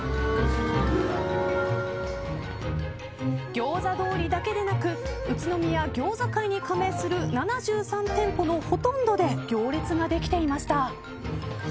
餃子通りだけでなく宇都宮餃子会に加盟する７３店舗のほとんどで行列ができていました。